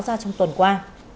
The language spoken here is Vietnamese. ra trong tuần qua